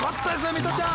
ミトちゃん。